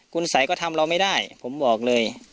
คุณสัยก็ทำเราไม่ได้ผมบอกเลย